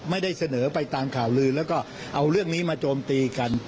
ไม่ได้เสนอไปตามข่าวลือแล้วก็เอาเรื่องนี้มาโจมตีกัน